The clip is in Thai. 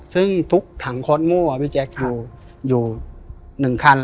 ซึ่งทุกถังโค้ดโม่พี่แจ๊คอยู่๑คัน